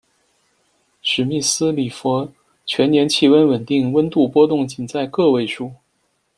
史密斯里弗全年气温稳定，温度波动仅在个位数。